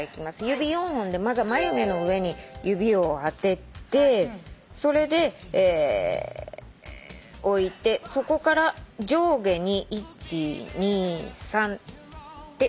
指４本でまずは眉毛の上に指を当ててそれで置いてそこから上下に１・２・３って動かします。